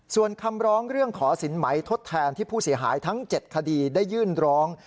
ส่วนคำร้องเรื่องขอสินไหมทดแทนที่ผู้เสียหายทั้ง๗คดีได้ยื่นร้อง